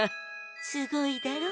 すごいだろ？